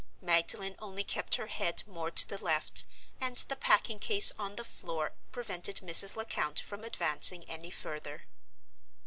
Magdalen only kept her head more to the left, and the packing case on the floor prevented Mrs. Lecount from advancing any further.